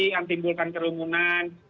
yang timbulkan kerumunan